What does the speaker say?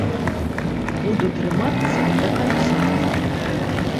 Буду трымацца да канца.